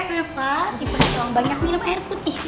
reva dipenuhi banyak minum air putih